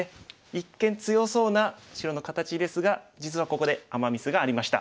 一見強そうな白の形ですが実はここでアマ・ミスがありました。